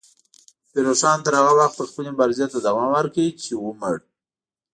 پیر روښان تر هغه وخته خپلې مبارزې ته دوام ورکړ چې ومړ.